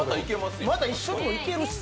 また一緒にも行けるしさ。